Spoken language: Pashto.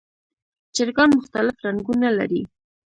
چرګان مختلف رنګونه لري.